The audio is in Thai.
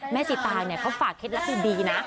แม่สิตางเนี่ยเขาฝากเคล็ดลักษณ์ดีนะ